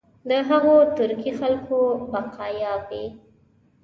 د هغو ترکي خلکو بقایا وي.